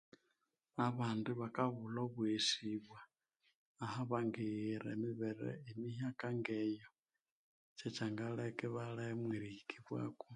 Abandi bakabulha obweghesibwa nahabangighira emibere emihyaka ngeyo kyekyangaleka ibalemwa erihikibwako